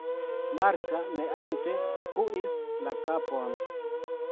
Marta neante skuis la kapon.